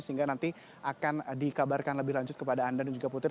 sehingga nanti akan dikabarkan lebih lanjut kepada anda dan juga putri